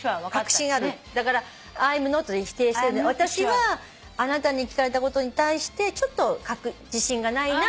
だからＩ’ｍｎｏｔで否定してるので私はあなたに聞かれたことに対してちょっと自信がないな。